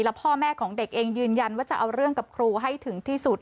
พ่อแม่ของเด็กเองยืนยันว่าจะเอาเรื่องกับครูให้ถึงที่สุด